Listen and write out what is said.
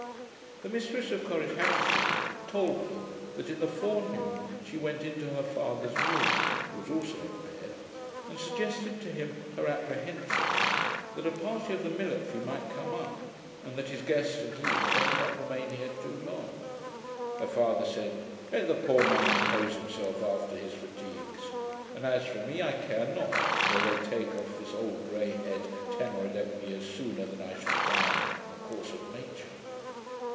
The mistress of Corrichatachin told me, that in the forenoon she went into her father's room, who was also in bed, and suggested to him her apprehensions that a party of the military might come up, and that his guest had better not remain here too long. Her father said, 'Let the poor man repose himself after his fatigues; and as for me, I care not, though they take off this old grey head ten or eleven years sooner than I should die in the course of nature.'